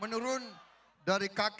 menurun dari kakek ke cucu